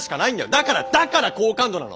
だからだから好感度なの！